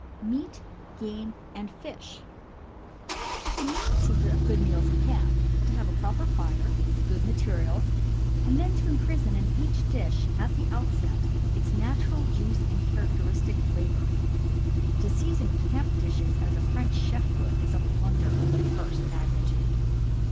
MEAT, GAME, AND FISH The main secrets of good meals in camp are to have a proper fire, good materials, and then to imprison in each dish, at the outset, its natural juice and char acteristic flavor. To season camp dishes as a French chef would is a blunder of the first magnitude.